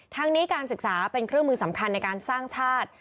ทั้งนี้การศึกษาเป็นเครื่องมือสำคัญในการสร้างชาติ